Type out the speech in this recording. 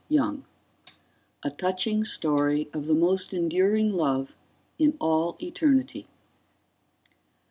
YOUNG _A touching story of the most enduring love in all eternity.